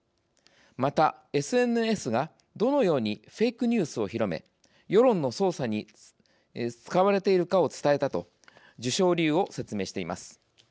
また、ＳＮＳが、どのようにフェイクニュースを広め世論の操作に使われているかを伝えた」と授賞理由を説明しています。